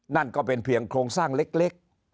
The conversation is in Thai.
นั่นก็เป็นเพียงโครงสร้างเล็ก